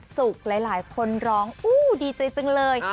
สุขหลายคนร้องดีเจ๊จังเลย